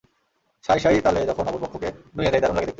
সাঁই সাঁই তালে যখন অপর পক্ষকে নুইয়ে দেয়, দারুণ লাগে দেখতে।